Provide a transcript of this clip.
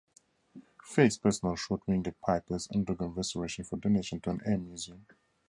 Feik's personal Short Winged Piper is undergoing restoration for donation to an air museum.